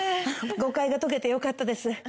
誤解が解けてよかったです。